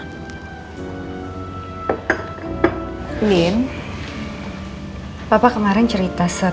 kau pernah dimainkan unreal kepercayaan